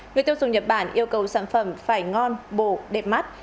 người tiêu dùng nhật bản yêu cầu sản phẩm phải ngon bổ đẹp mắt